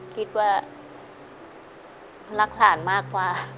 คิดว่ารักหลานมากกว่า